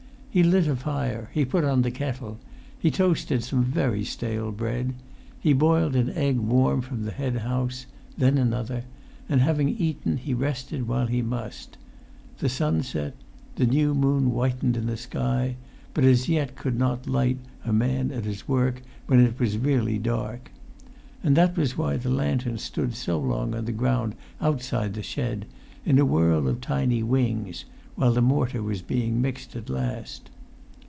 He lit a fire. He put on the kettle. He toasted some very stale bread; he boiled an egg warm from the hen house, then another; and having eaten he rested while he must. The sun set; the new moon whitened in the sky, but as yet could not light a man at his work when it was really dark. And that was why[Pg 188] the lantern stood so long upon the ground outside the shed, in a whirl of tiny wings, while the mortar was being mixed at last.